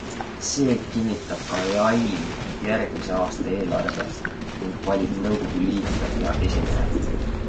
See kinnitab ka EALLi järgmise aasta eelarve ning valib nõukogu liikmed ja esimehe.